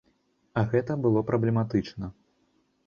А гэта было праблематычна.